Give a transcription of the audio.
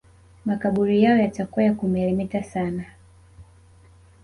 Makaburi yao yatakuwa ya kumelemeta sana